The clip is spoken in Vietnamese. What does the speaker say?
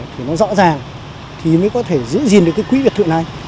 thì nó rõ ràng thì mới có thể giữ gìn được cái quỹ biệt thự này